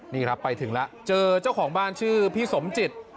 นี่ครับไปถึงแล้วเจอเจ้าของบ้านชื่อพี่สมจิต